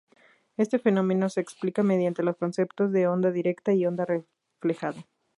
Este fenómeno se explica mediante los conceptos de onda directa y onda reflejada.